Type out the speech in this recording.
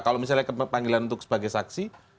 kalau misalnya kepanggilan untuk sebagai saksi